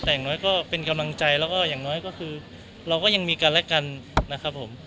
แต่อย่างน้อยก็เป็นกำลังใจแล้วก็อย่างน้อยก็คือเราก็ยังมีกันและกันนะครับผม